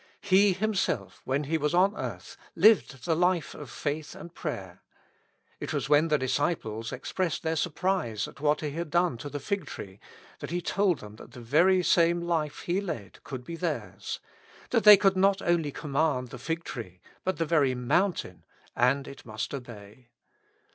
He Himself, when He was on earth, lived the life of faith and prayer. It was when the disciples expressed their surprise at what He had done to the fig tree, that He told them that the very same life He led could be theirs ; that they could not only command the fig tree, but the very mountain, and it must obey.